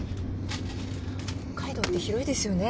北海道って広いですよね。